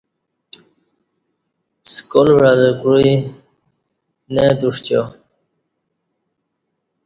سکال وعہ لہ کوعی نہ اتوݜیو